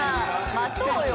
待とうよ